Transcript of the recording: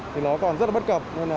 thì nó còn rất là bất cập